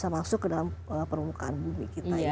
masuk ke dalam permukaan bumi kita